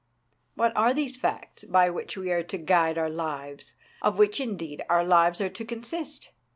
What are these facts by which we are to guide our lives, of which, indeed, our lives are to consist?